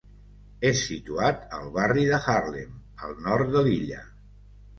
És situat al barri de Harlem, al nord de l'illa.